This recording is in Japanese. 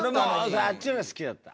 俺もあっちの方が好きだった。